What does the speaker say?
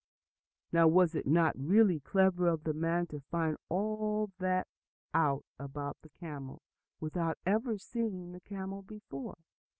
Now was it not really clever of that man to find all that out about the camel, without ever seeing the camel before?